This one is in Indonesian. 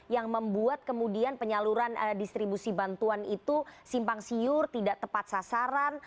yang membuat kemudian penyaluran distribusi bantuan itu simpang siur tidak tepat sasaran